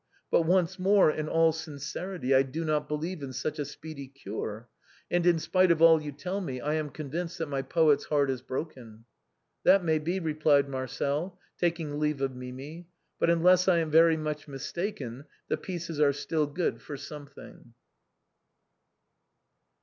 But, once more, in all sincerity, I do not believe in such a speedy cure; and, in spite of all you tell me, I am con vinced that my poet's heart is broken." " That may be," replied Marcel, taking leave of Mimi, but unless I am very much mistaken the pieces are still good for something."